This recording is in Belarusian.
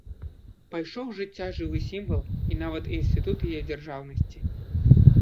Пайшоў з жыцця жывы сімвал і нават інстытут яе дзяржаўнасці.